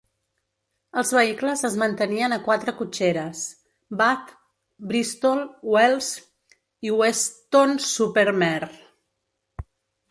Els vehicles es mantenien a quatre cotxeres: Bath, Bristol, Wells i Weston-super-Mare.